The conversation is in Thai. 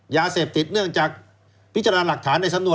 ยาเสพติดเนื่องจากพิจารณาหลักฐานในสำนวน